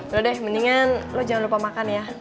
lo deh mendingan lo jangan lupa makan ya